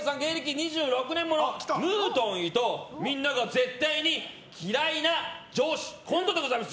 ２６年ものムートン伊藤みんなが絶対に嫌いな上司コントでございます。